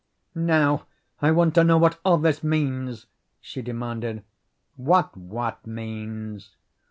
"Now I want to know what all this means?" she demanded. "What what means?"